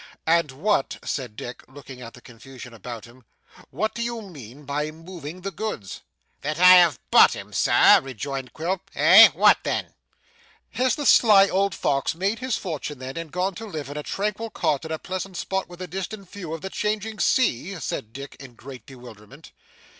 'And what,' said Dick, looking at the confusion about him, 'what do you mean by moving the goods?' 'That I have bought 'em, Sir,' rejoined Quilp. 'Eh? What then?' 'Has the sly old fox made his fortune then, and gone to live in a tranquil cot in a pleasant spot with a distant view of the changing sea?' said Dick, in great bewilderment.